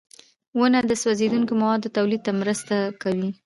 • ونه د سوځېدونکو موادو تولید ته مرسته کوي.